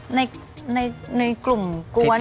คนในกลุ่มก้วน